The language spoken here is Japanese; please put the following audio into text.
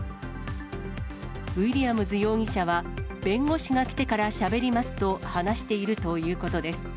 ウィリアムズ容疑者は、弁護士が来てからしゃべりますと話しているということです。